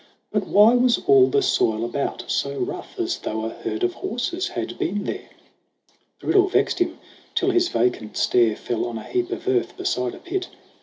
But why was all the soil about so rough As though a herd of horses had been there ? The riddle vexed him till his vacant stare Fell on a heap of earth beside a pit.